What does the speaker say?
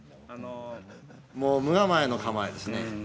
もう無構えの構えですね。